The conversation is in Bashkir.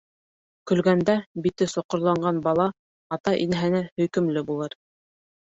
Көлгәндә бите соҡорланған бала ата-инәһенә һөйкөмлө булыр.